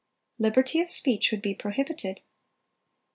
(287) Liberty of speech would be prohibited.